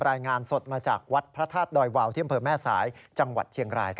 รายงานสดมาจากวัดพระธาตุดอยวาวที่อำเภอแม่สายจังหวัดเชียงราย